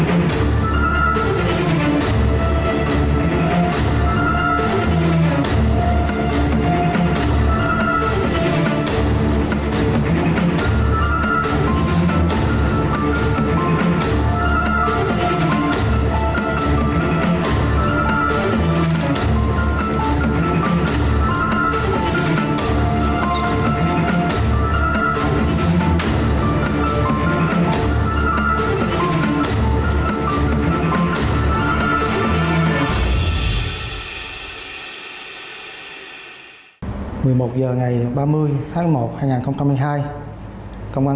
i cao là tầm một això chứ không speak